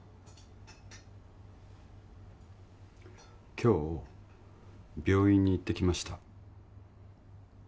今日病院に行ってきました